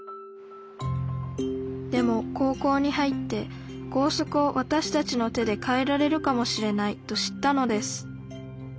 でも高校に入って「校則をわたしたちの手で変えられるかもしれない」と知ったのです。